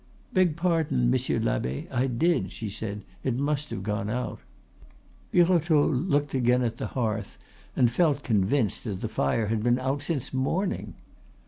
"Beg pardon, Monsieur l'abbe, I did," she said; "it must have gone out." Birotteau looked again at the hearth, and felt convinced that the fire had been out since morning.